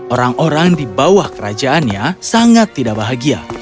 orang orang di bawah kerajaannya sangat tidak bahagia